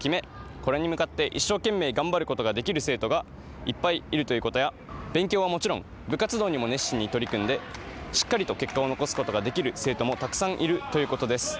これに向かって一生懸命頑張ることができる生徒がいっぱいいることや勉強はもちろん部活動にも熱心に取り組んでしっかりと結果を残すことが出来る生徒がたくさんいるということです。